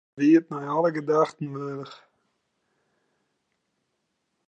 It wie it nei alle gedachten wurdich.